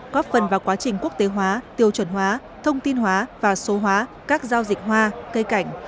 góp phần vào quá trình quốc tế hóa tiêu chuẩn hóa thông tin hóa và số hóa các giao dịch hoa cây cảnh